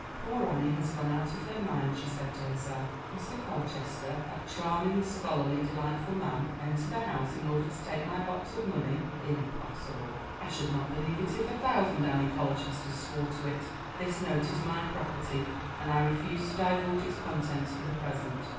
"Poor Annie has gone out of her mind," she said to herself. "Mr. Colchester, that charming, scholarly, delightful man enter the house in order to take my box of money—impossible! I should not believe it if a thousand Annie Colchesters swore to it. This note is my property, and I refuse to divulge its contents for the present."